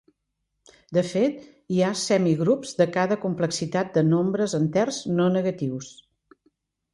De fet, hi ha semigrups de cada complexitat de nombres enters no negatius.